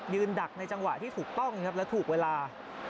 ดักในจังหวะที่ถูกต้องครับและถูกเวลา